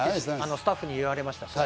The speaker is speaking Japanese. スタッフにそう言われました。